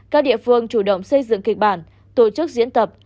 các địa phương chủ động xây dựng kịch bản tổ chức diễn tập